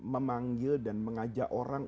memanggil dan mengajak orang